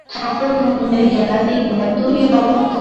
সকল ধর্মের জ্ঞানাতীত বা তুরীয় অবস্থা এক।